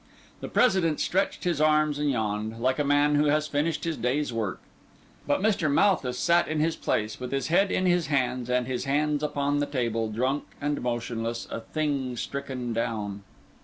The President stretched his arms and yawned, like a man who has finished his day's work. But Mr. Malthus sat in his place, with his head in his hands, and his hands upon the table, drunk and motionless—a thing stricken down.